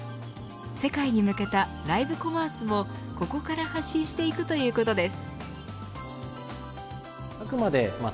世界に向けたライブコマースもここからは発信していくということです。